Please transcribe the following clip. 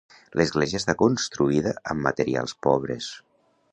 L'església està construïda amb materials pobres.